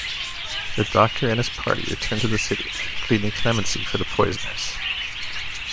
The Doctor and his party return to the city, pleading clemency for the poisoners.